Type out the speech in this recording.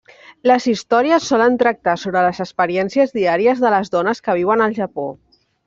Les històries solen tractar sobre les experiències diàries de les dones que viuen al Japó.